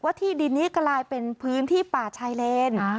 ที่ดินนี้กลายเป็นพื้นที่ป่าชายเลน